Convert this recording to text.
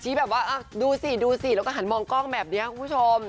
แบบว่าดูสิดูสิแล้วก็หันมองกล้องแบบนี้คุณผู้ชม